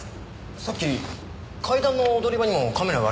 さっき階段の踊り場にもカメラがありましたけど。